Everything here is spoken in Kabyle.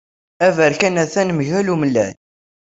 Aberkan atan mgal umellal.